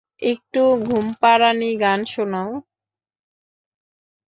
একটা ঘুমপাড়ানি গান শোনাও।